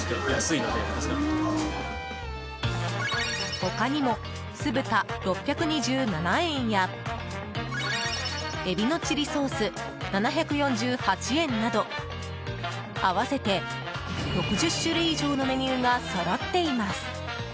他にも酢豚、６２７円や海老のチリソース、７４８円など合わせて６０種類以上のメニューがそろっています。